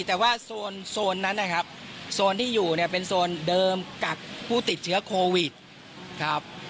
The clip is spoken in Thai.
แต่ว่าโซนนั้นนะครับโซนที่อยู่เนี่ยเป็นโซนเดิมกักผู้ติดเชื้อโควิดครับ